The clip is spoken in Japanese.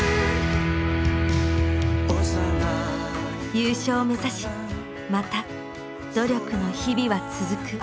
優勝を目指しまた努力の日々は続く。